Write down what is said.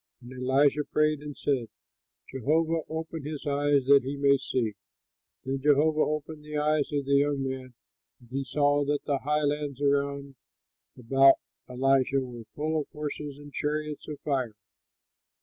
And Elisha prayed and said, "Jehovah open his eyes, that he may see." Then Jehovah opened the eyes of the young man, and he saw that the highlands around about Elisha were full of horses and chariots of fire.